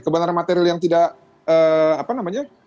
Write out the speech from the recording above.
kebenaran material yang tidak apa namanya